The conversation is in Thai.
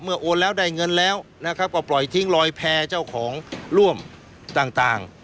โอนแล้วได้เงินแล้วนะครับก็ปล่อยทิ้งลอยแพร่เจ้าของร่วมต่าง